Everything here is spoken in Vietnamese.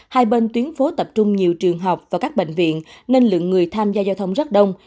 hai bên tuyến phố tập trung nhiều trường học và các bệnh viện nên lượng người tham gia giao thông rất đông